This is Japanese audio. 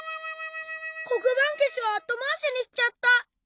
こくばんけしをあとまわしにしちゃった！